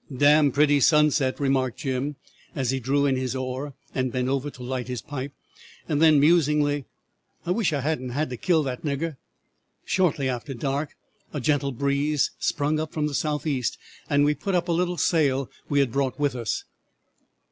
"'"Damn pretty sunset!" remarked Jim, as he drew in his oar, and bent over to light his pipe, and then, musingly: "I wish I hadn't had to kill that nigger." "'Shortly after dark a gentle breeze sprung up from the southeast, and we put up a little sail we had brought with us.